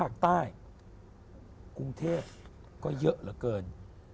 กรุงเทพก็เยอะเหลอะเกิน